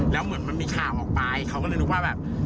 แล้วเหมือนมันมีข่าวออกไปเขาก็เลยนึกว่าแบบ